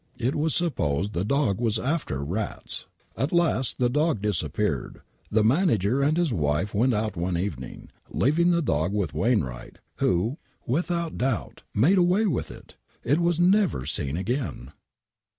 It was supposed the dog was after rats ! At last the dog disappeared. The manager and his wife went out one evening, leaving the dog with Wainwright, who, without doubt, made away with it I It was never seen again